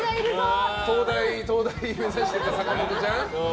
東大目指してた坂本ちゃん。